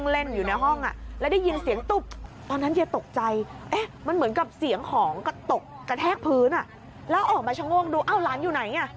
แล้วออกมาชะโง่งดูเอ้าหลานอยู่ไหน